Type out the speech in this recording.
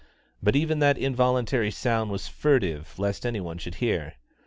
But even that involuntary sound was furtive lest any one should hear.